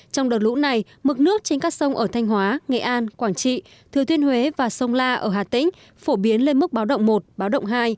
trong đợt lũ này mực nước trên các sông ở thanh hóa nghệ an quảng trị thừa thiên huế và sông la ở hà tĩnh phổ biến lên mức báo động một báo động hai